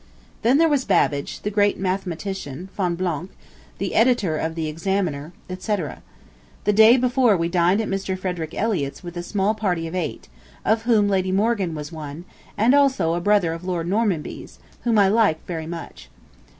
Then there was Babbage, the great mathematician, Fonblanc, the editor of the Examiner, etc., etc. The day before we dined at Mr. Frederick Elliott's with a small party of eight, of which Lady Morgan was one, and also a brother of Lord Normanby's, whom I liked very much.